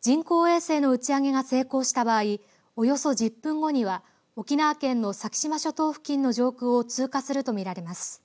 人工衛星の打ち上げが成功した場合およそ１０分後には沖縄県の先島諸島付近の上空を通過すると見られます。